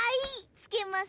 つけます。